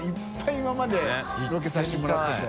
今までロケさせてもらってて。